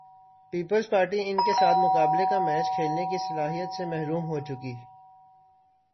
Peoples Party ان کے ساتھ مقابلے کا میچ کھیلنے کی صلاحیت سے محروم ہو چکی۔